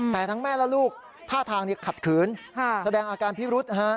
แต่ทั้งแม่และลูกท่าทางขัดขืนแสดงอาการพิรุษ